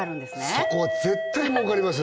そこは絶対儲かります